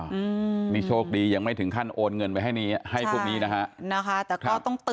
ประเด็นมีเงินหรือไม่มีเงินอย่าพึ่งพูดเอาประเด็นที่สถาบันการเงินมาตั้งหลอก